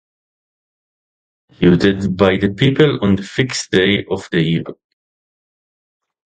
They are executed by the people on a fixed day of the year.